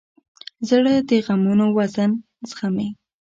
زړه د غمونو وزن زغمي.